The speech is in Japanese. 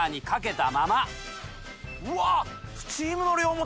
うわっ！